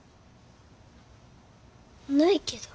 ないけど。